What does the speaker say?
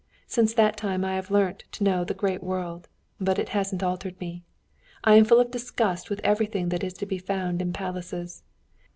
Since that time I have learnt to know the great world, but it hasn't altered me. I am full of disgust with everything that is to be found in palaces.